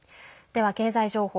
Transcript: では、経済情報。